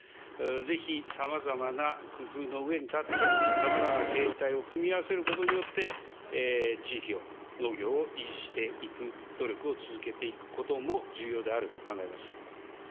ぜひさまざまな工夫の上に立って、さまざまな形態を組み合わせることによって、地域を、農業を維持していく努力を続けていくことも重要であると考えます。